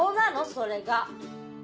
それが。